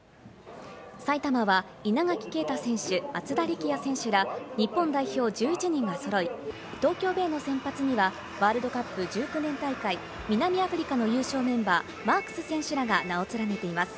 埼玉は稲垣啓太選手、松田力也選手ら日本代表１１人がそろい、東京ベイの先発にはワールドカップ１９年大会、南アフリカの優勝メンバー、マークス選手らが名を連ねています。